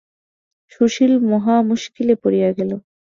সুশীল মহা মুশকিলে পড়িয়া গেল।